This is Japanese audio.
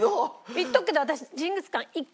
言っとくけど私。